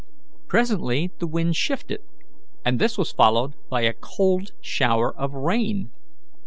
Presently the wind shifted, and this was followed by a cold shower of rain.